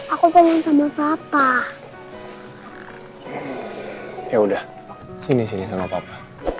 aku pengen sama tata ya udah sini sini sama papa